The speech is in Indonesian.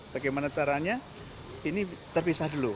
bagaimana caranya ini terpisah dulu